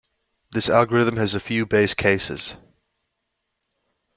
This algorithm has a few base cases.